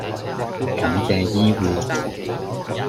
感謝醫護